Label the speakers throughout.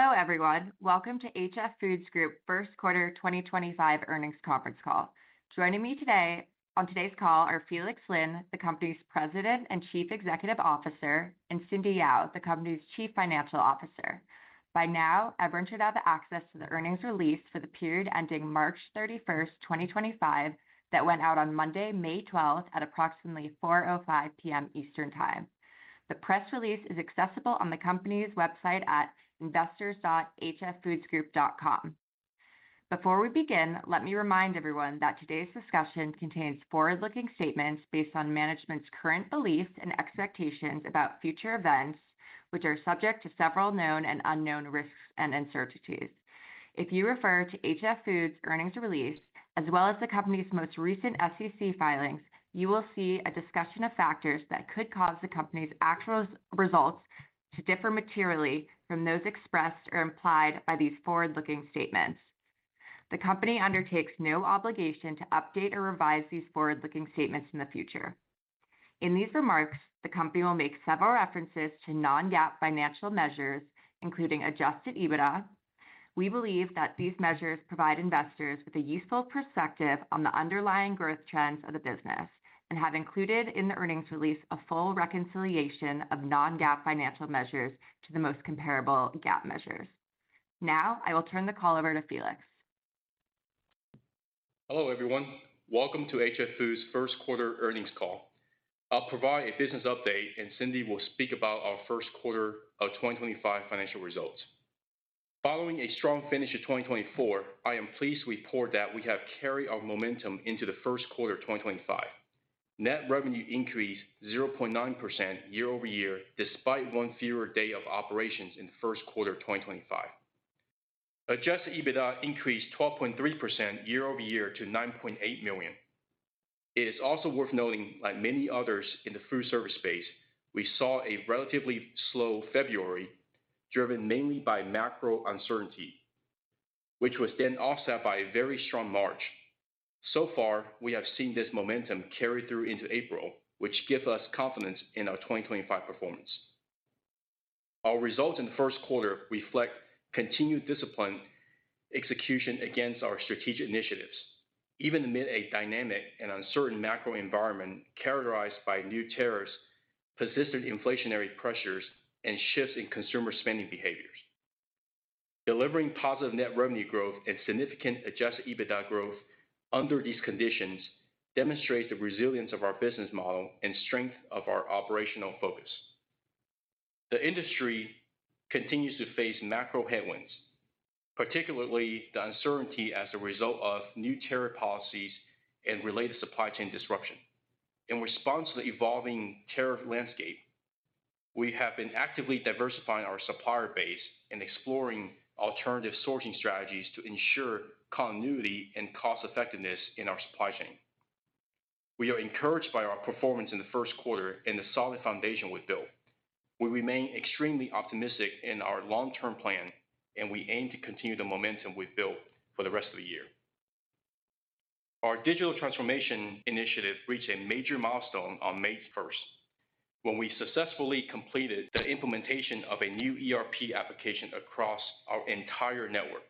Speaker 1: Hello, everyone. Welcome to HF Foods Group's first quarter 2025 earnings conference call. Joining me today on today's call are Felix Lin, the company's President and Chief Executive Officer, and Cindy Yao, the company's Chief Financial Officer. By now, everyone should have access to the earnings release for the period ending March 31, 2025, that went out on Monday, May 12, at approximately 4:05 P.M. Eastern Time. The press release is accessible on the company's website at investors.hffoodsgroup.com. Before we begin, let me remind everyone that today's discussion contains forward-looking statements based on management's current beliefs and expectations about future events, which are subject to several known and unknown risks and uncertainties. If you refer to HF Foods' earnings release, as well as the company's most recent SEC filings, you will see a discussion of factors that could cause the company's actual results to differ materially from those expressed or implied by these forward-looking statements. The company undertakes no obligation to update or revise these forward-looking statements in the future. In these remarks, the company will make several references to non-GAAP financial measures, including Adjusted EBITDA. We believe that these measures provide investors with a useful perspective on the underlying growth trends of the business and have included in the earnings release a full reconciliation of non-GAAP financial measures to the most comparable GAAP measures. Now, I will turn the call over to Felix.
Speaker 2: Hello, everyone. Welcome to HF Foods Group's First Quarter earnings call. I'll provide a business update, and Cindy will speak about our First Quarter of 2025 financial results. Following a strong finish of 2024, I am pleased to report that we have carried our momentum into the First Quarter of 2025. Net revenue increased 0.9% year-over-year despite one fewer day of operations in the First Quarter of 2025. Adjusted EBITDA increased 12.3% year-over-year to $9.8 million. It is also worth noting, like many others in the food service space, we saw a relatively slow February, driven mainly by macro uncertainty, which was then offset by a very strong March. So far, we have seen this momentum carry through into April, which gives us confidence in our 2025 performance. Our results in the first quarter reflect continued disciplined execution against our strategic initiatives, even amid a dynamic and uncertain macro environment characterized by new tariffs, persistent inflationary pressures, and shifts in consumer spending behaviors. Delivering positive net revenue growth and significant Adjusted EBITDA growth under these conditions demonstrates the resilience of our business model and strength of our operational focus. The industry continues to face macro headwinds, particularly the uncertainty as a result of new tariff policies and related supply chain disruption. In response to the evolving tariff landscape, we have been actively diversifying our supplier base and exploring alternative sourcing strategies to ensure continuity and cost-effectiveness in our supply chain. We are encouraged by our performance in the first quarter and the solid foundation we've built. We remain extremely optimistic in our long-term plan, and we aim to continue the momentum we've built for the rest of the year. Our digital transformation initiative reached a major milestone on May 1, when we successfully completed the implementation of a new ERP application across our entire network.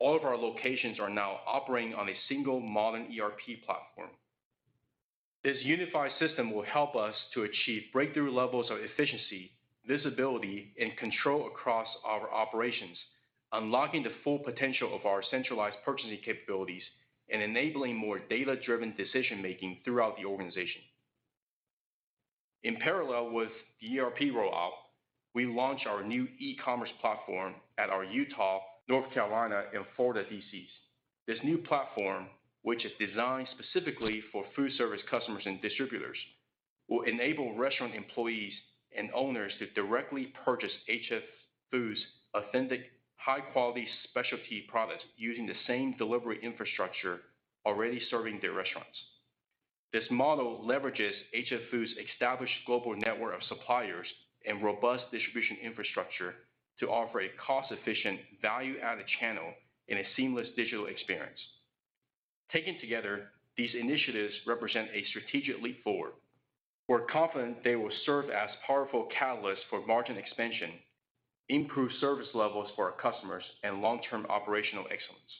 Speaker 2: All of our locations are now operating on a single modern ERP platform. This unified system will help us to achieve breakthrough levels of efficiency, visibility, and control across our operations, unlocking the full potential of our centralized purchasing capabilities and enabling more data-driven decision-making throughout the organization. In parallel with the ERP rollout, we launched our new e-commerce platform at our Utah, North Carolina, and Florida DCs. This new platform, which is designed specifically for food service customers and distributors, will enable restaurant employees and owners to directly purchase HF Foods' authentic, high-quality specialty products using the same delivery infrastructure already serving their restaurants. This model leverages HF Foods' established global network of suppliers and robust distribution infrastructure to offer a cost-efficient value-added channel and a seamless digital experience. Taken together, these initiatives represent a strategic leap forward. We're confident they will serve as powerful catalysts for margin expansion, improved service levels for our customers, and long-term operational excellence.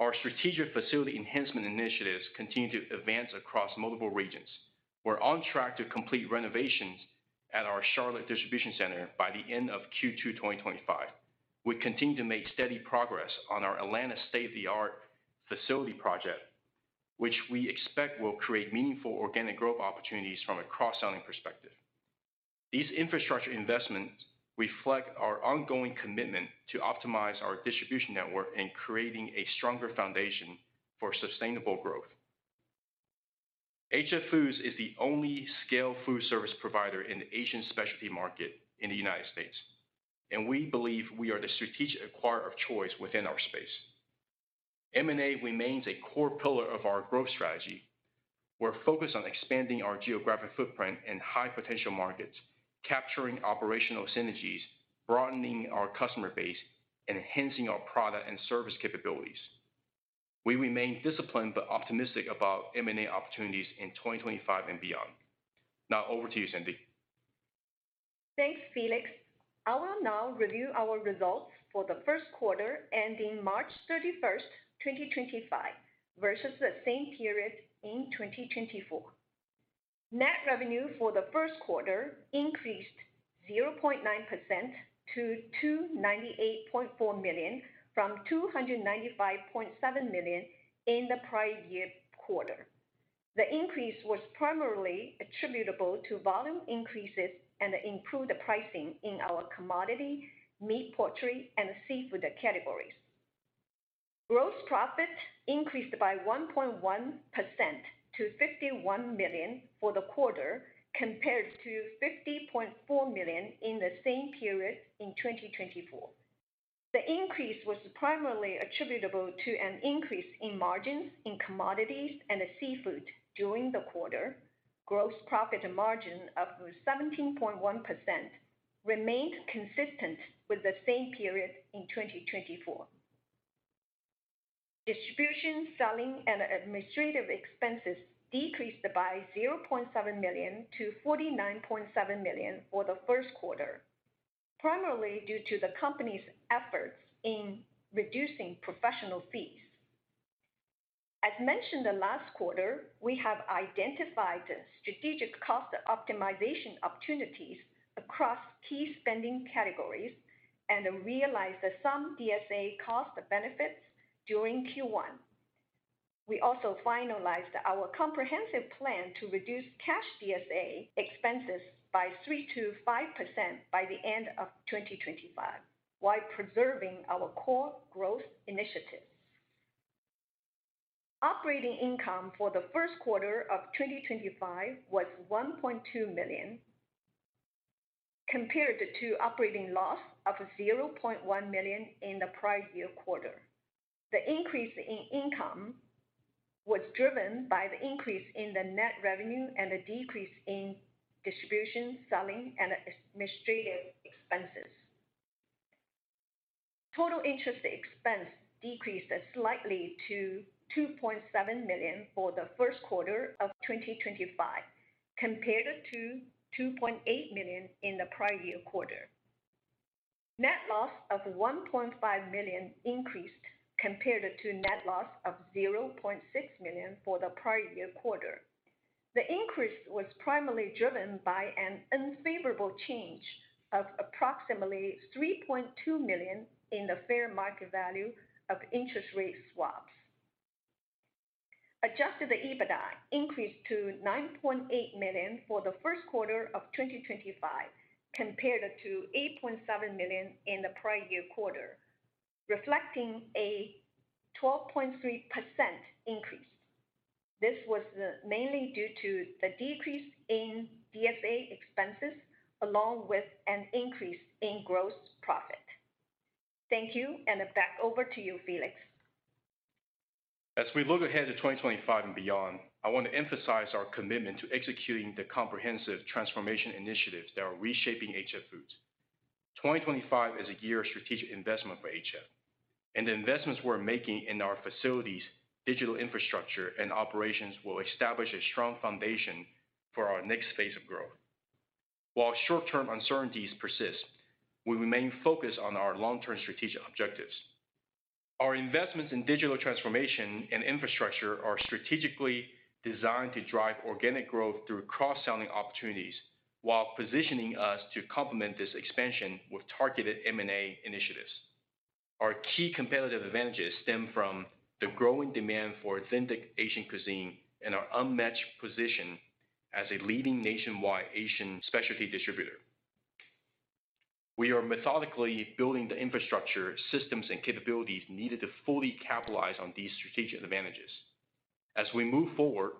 Speaker 2: Our strategic facility enhancement initiatives continue to advance across multiple regions. We're on track to complete renovations at our Charlotte Distribution Center by the end of Q2 2025. We continue to make steady progress on our Atlanta state-of-the-art facility project, which we expect will create meaningful organic growth opportunities from a cross-selling perspective. These infrastructure investments reflect our ongoing commitment to optimize our distribution network and creating a stronger foundation for sustainable growth. HF Foods is the only scale food service provider in the Asian specialty market in the United States, and we believe we are the strategic acquirer of choice within our space. M&A remains a core pillar of our growth strategy. We're focused on expanding our geographic footprint and high-potential markets, capturing operational synergies, broadening our customer base, and enhancing our product and service capabilities. We remain disciplined but optimistic about M&A opportunities in 2025 and beyond. Now, over to you, Cindy.
Speaker 3: Thanks, Felix. I will now review our results for the first quarter ending March 31, 2025, versus the same period in 2024. Net revenue for the first quarter increased 0.9% to $298.4 million from $295.7 million in the prior year quarter. The increase was primarily attributable to volume increases and the improved pricing in our commodity, meat-poultry, and seafood categories. Gross profit increased by 1.1% to $51 million for the quarter, compared to $50.4 million in the same period in 2024. The increase was primarily attributable to an increase in margins in commodities and seafood during the quarter. Gross profit margin of 17.1% remained consistent with the same period in 2024. Distribution, selling, and administrative expenses decreased by $0.7 million to $49.7 million for the first quarter, primarily due to the company's efforts in reducing professional fees. As mentioned the last quarter, we have identified strategic cost optimization opportunities across key spending categories and realized some DSA cost benefits during Q1. We also finalized our comprehensive plan to reduce cash DSA expenses by 3%-5% by the end of 2025, while preserving our core growth initiatives. Operating income for the first quarter of 2025 was $1.2 million, compared to operating loss of $0.1 million in the prior year quarter. The increase in income was driven by the increase in the net revenue and the decrease in distribution, selling, and administrative expenses. Total interest expense decreased slightly to $2.7 million for the first quarter of 2025, compared to $2.8 million in the prior year quarter. Net loss of $1.5 million increased, compared to net loss of $0.6 million for the prior year quarter. The increase was primarily driven by an unfavorable change of approximately $3.2 million in the fair market value of interest rate swaps. Adjusted EBITDA increased to $9.8 million for the first quarter of 2025, compared to $8.7 million in the prior year quarter, reflecting a 12.3% increase. This was mainly due to the decrease in DSA expenses, along with an increase in gross profit. Thank you, and back over to you, Felix.
Speaker 2: As we look ahead to 2025 and beyond, I want to emphasize our commitment to executing the comprehensive transformation initiatives that are reshaping HF Foods. 2025 is a year of strategic investment for HF, and the investments we're making in our facilities, digital infrastructure, and operations will establish a strong foundation for our next phase of growth. While short-term uncertainties persist, we remain focused on our long-term strategic objectives. Our investments in digital transformation and infrastructure are strategically designed to drive organic growth through cross-selling opportunities, while positioning us to complement this expansion with targeted M&A initiatives. Our key competitive advantages stem from the growing demand for authentic Asian cuisine and our unmatched position as a leading nationwide Asian specialty distributor. We are methodically building the infrastructure, systems, and capabilities needed to fully capitalize on these strategic advantages. As we move forward,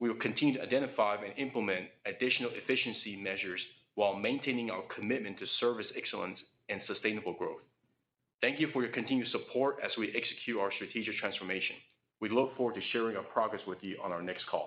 Speaker 2: we will continue to identify and implement additional efficiency measures while maintaining our commitment to service excellence and sustainable growth. Thank you for your continued support as we execute our strategic transformation. We look forward to sharing our progress with you on our next call.